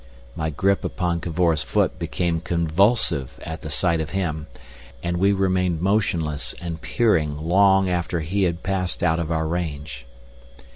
My grip upon Cavor's foot became convulsive at the sight of him, and we remained motionless and peering long after he had passed out of our range.